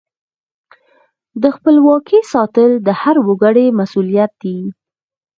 د خپلواکۍ ساتل د هر وګړي مسؤلیت دی.